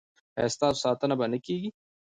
ایا ستاسو ساتنه به نه کیږي؟